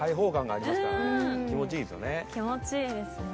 気持ちいいですよね。